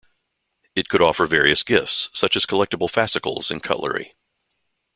It could offer various gifts, such as collectible fascicles and cutlery.